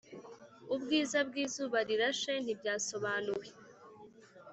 ubwiza bwizuba rirashe ntibyasobanuwe.